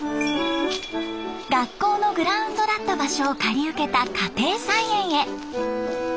学校のグラウンドだった場所を借り受けた家庭菜園へ。